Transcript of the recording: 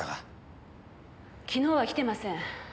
昨日は来てません。